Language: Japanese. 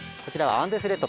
アンデスレッド。